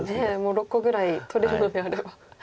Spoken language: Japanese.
６個ぐらい取れるのであれば。